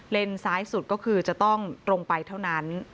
ซ้ายสุดก็คือจะต้องตรงไปเท่านั้น